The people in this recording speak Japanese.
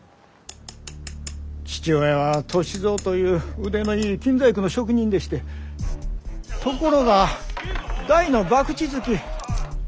父親は歳三という腕のいい金細工の職人でしてところが大の博打好き。